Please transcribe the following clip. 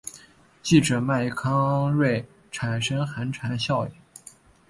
记者麦康瑞产生寒蝉效应。